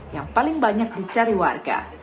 yang paling banyak dicari warga